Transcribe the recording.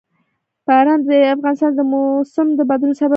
باران د افغانستان د موسم د بدلون سبب کېږي.